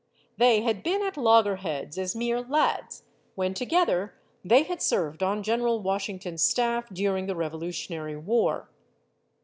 They had been at loggerheads as mere lads, when together they had served on General Washington's staff during the Revolutionary War.